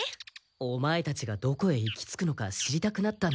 オマエたちがどこへ行き着くのか知りたくなったんだ。